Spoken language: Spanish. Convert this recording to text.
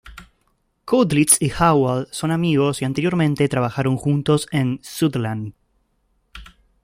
Cudlitz y Howell son amigos y anteriormente trabajaron juntos en "Southland".